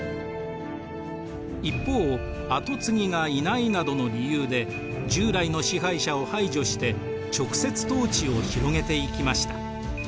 一方跡継ぎがいないなどの理由で従来の支配者を排除して直接統治を広げていきました。